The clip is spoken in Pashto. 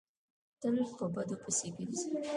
تل په بدو پسې ګرځي.